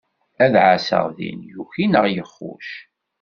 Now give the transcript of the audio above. Ad ɛasseɣ din yuki naɣ yexxuc.